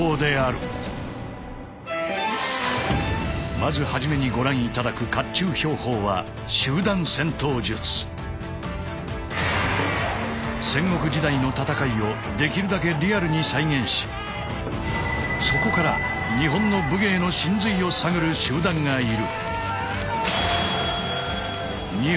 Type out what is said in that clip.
まず初めにご覧頂く甲冑兵法は戦国時代の戦いをできるだけリアルに再現しそこから日本の武芸の神髄を探る集団がいる。